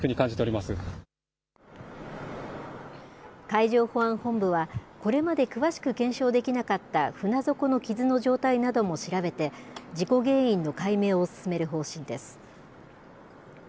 海上保安本部は、これまで詳しく検証できなかった船底の傷の状態なども調べて、事故原因の解明を進める方針です。